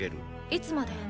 いつまで？